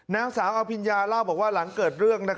นางสาวอภิญญาเล่าบอกว่าหลังเกิดเรื่อง